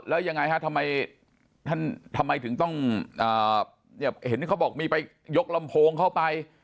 แล้วยังไงฮะทำไมท่านทำไมถึงต้องเห็นเขาบอกมีไปยกลำโพงเข้าไป